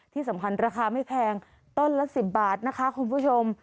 ที่สำคัญราคาไม่แพงต้นละ๑๐บาทนะคะคุณผู้ชม